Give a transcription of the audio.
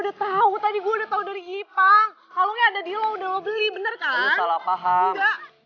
udah tahu tadi gue udah tahu dari ipa kalau ada di lo udah beli bener salah paham